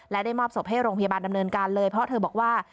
และได้มอบศพให้โรงพยาบาลดำเนินการเลยเพราะเธอบอกว่า